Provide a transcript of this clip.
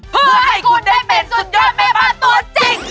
เพื่อให้คุณได้เป็นสุดยอดแม่บ้านตัวจริง